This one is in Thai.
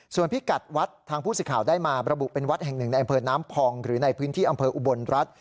ส่วนพิกัดวัดทางผู้สิทธิ์ข่าวได้มาระบุเป็นวัดแห่งหนึ่งในอำเภอน้ำพองหรือในพื้นที่อำเภออุบลรัฐ